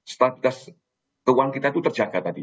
stabilitas keuangan kita itu terjaga tadi